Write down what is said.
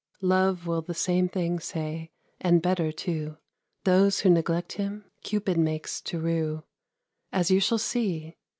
Love will the same thing say, and better, too; Those who neglect him, Cupid makes to rue: As you shall see.